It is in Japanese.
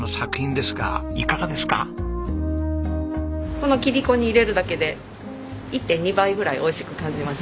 この切子に入れるだけで１．２倍ぐらいおいしく感じます。